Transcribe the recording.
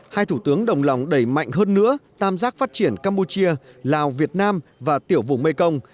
hai thủ tướng đồng lòng đẩy mạnh hơn nữa tam giác phát triển campuchia lào việt nam và tiểu vùng mekong